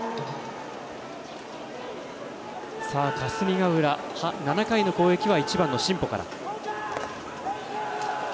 霞ヶ浦、７回の攻撃は１番の新保から。